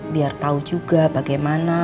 biar tau juga bagaimana